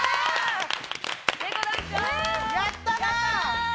やったな！